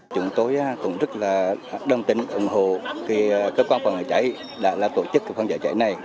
chúng tôi cũng rất là đồng tính ủng hộ cơ quan phòng cháy chữa cháy này